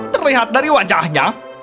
terlihat dari wajahnya